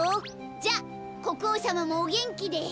じゃこくおうさまもおげんきで。